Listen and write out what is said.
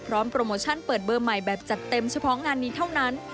โปรโมชั่นเปิดเบอร์ใหม่แบบจัดเต็มเฉพาะงานนี้เท่านั้น